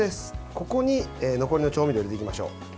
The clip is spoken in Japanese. ここに残りの調味料を入れていきましょう。